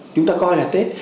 chúng ta coi là tết